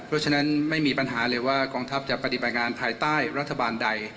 เพราะฉะนั้นไม่มีปัญหาเลยว่ากองทัพจะปฏิบัติงานภายใต้รัฐบาลใด